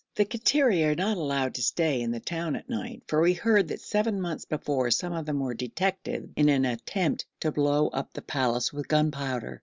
The Kattiri are not allowed to stay in the town at night, for we heard that seven months before some of them were detected in an attempt to blow up the palace with gunpowder.